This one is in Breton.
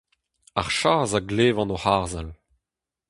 Ar chas a glevan oc'h harzhal !